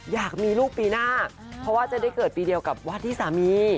อยากมีลูกปีหน้าเพราะว่าจะได้เกิดปีเดียวกับวัดที่สามี